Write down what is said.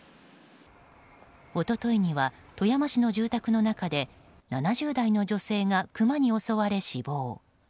一昨日には富山市の住宅の中で７０代の女性がクマに襲われ死亡。